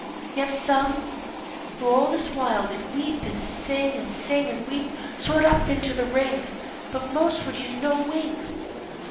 4. Yet some, who all this while did weep and sing, And sing, and weep, soar'd up into the Ring, But most would use no wing.